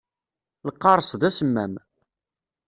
Lqaṛes d asemmam.